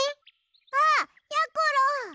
あっやころ！